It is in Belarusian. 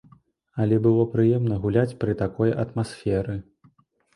Але было прыемна гуляць пры такой атмасферы.